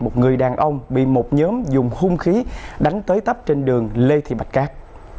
một người đàn ông bị một nhóm dùng hung khí đánh tới tấp trên đường lê thị bạch cát